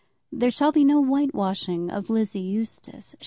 There shall be no whitewashing of Lizzie Eustace.